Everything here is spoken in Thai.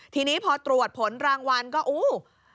ทีนี้พอตรวจผลรางวัลก็อู้